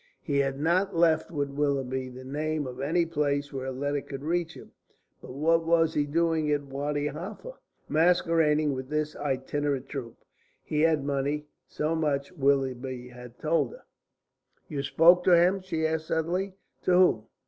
He had not left with Willoughby the name of any place where a letter could reach him. But what was he doing at Wadi Halfa, masquerading with this itinerant troupe? He had money; so much Willoughby had told her. "You spoke to him?" she asked suddenly. "To whom?